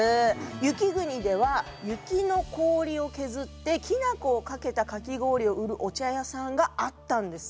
雪国では雪の氷を削ってきな粉をかけたかき氷を売るお茶屋さんがあったんです。